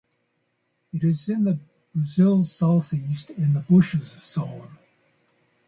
It is in the Brazil's Southeast in the bush's zone.